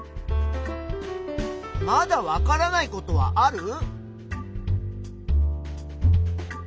まだわからないことはある？